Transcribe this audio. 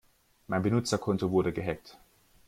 Mein Benutzerkonto wurde gehackt.